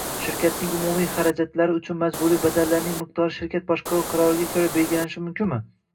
Shirkatning umumiy harajatlari uchun majburiy badallarning miqdori shirkat boshqaruvi qaroriga ko‘ra belgilanishi mumkinmi?